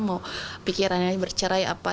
mau pikirannya bercerai apa